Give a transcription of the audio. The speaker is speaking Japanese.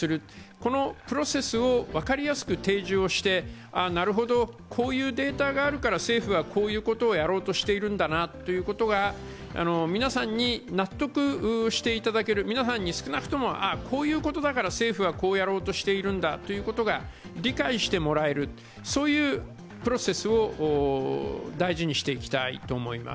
このプロセスを分かりやすく提示をしてなるほど、こういうデータがあるから政府はこういうことをやろうとしているんだなということが皆さんに納得していただける、皆さんに少なくとも、こういうことだから政府はこうやろうとしているんだということが理解してもらえる、そういうプロセスを大事にしていきたいと思います。